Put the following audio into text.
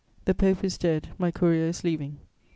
_ "The Pope is dead; my courier is leaving.